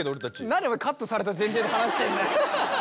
何お前カットされた前提で話してんだよ。